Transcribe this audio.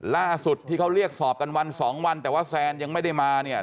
ล่าสุดที่เขาเรียกสอบกันวันสองวันแต่ว่าแซนยังไม่ได้มาเนี่ย